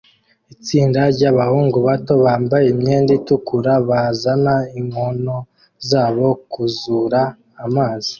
Itsinda ryabahungu bato bambaye imyenda itukura bazana inkono zabo kuzura amazi